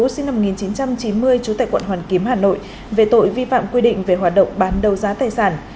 sinh năm một nghìn chín trăm chín mươi chú tại quận hoàn kiếm hà nội về tội vi phạm quy định về hoạt động bán đầu giá tài sản